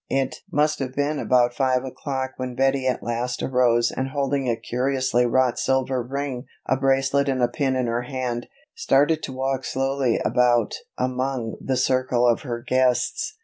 It must have been about five o'clock when Betty at last arose and holding a curiously wrought silver ring, a bracelet and a pin in her hand, started to walk slowly about among the circle of her guests.